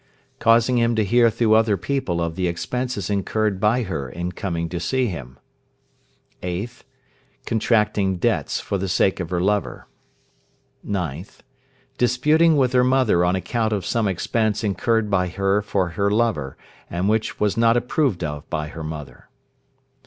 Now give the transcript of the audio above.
Causing him to hear through other people of the expenses incurred by her in coming to see him. 8th. Contracting debts for the sake of her lover. 9th. Disputing with her mother on account of some expense incurred by her for her lover, and which was not approved of by her mother.